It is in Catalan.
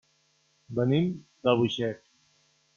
Venim d'Albuixec.